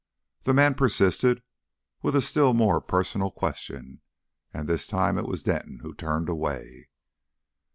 The man persisted with a still more personal question, and this time it was Denton who turned away.